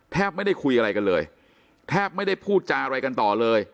ไม่ได้คุยอะไรกันเลยแทบไม่ได้พูดจาอะไรกันต่อเลย